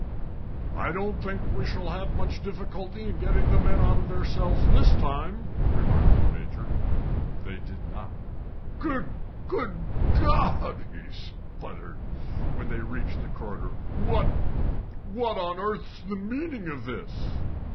"I don't think we shall have much difficulty in getting the men out of their cells this time," remarked the Major. They did not. "Good good God!" he spluttered, when they reached the corridor; "what what on earth's the meaning of this?"